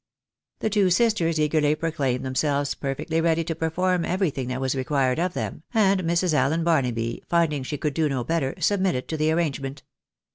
The two sisters eagerly proclaimed themselves perfectly ready to perform everything that was required of them, and Mrs. Allen Barnaby finding she could do no better, submitted to the arrange ment.